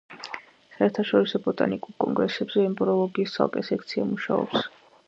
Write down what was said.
საერთაშორისო ბოტანიკურ კონგრესებზე ემბრიოლოგიის ცალკე სექცია მუშაობს.